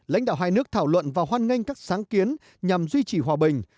lãnh đạo hai nước thảo luận và hoan nghênh các sáng kiến nhằm duy trì hòa bình